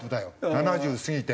７０過ぎて。